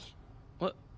えっ？